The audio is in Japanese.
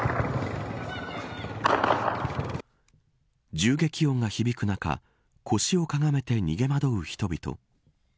銃撃音が響く中腰をかがめて逃げ惑う人々。